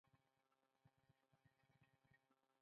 د کاروان مشر له موږ نه وغوښتل چې ژر تر ژره له ساحې ووځو.